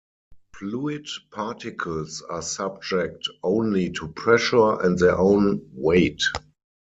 Fluid particles are subject only to pressure and their own weight.